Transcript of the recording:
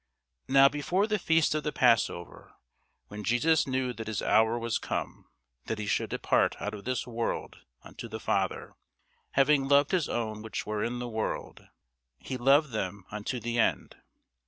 [Sidenote: St. John 13] Now before the feast of the passover, when Jesus knew that his hour was come that he should depart out of this world unto the Father, having loved his own which were in the world, he loved them unto the end.